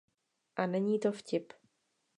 A není to vtip.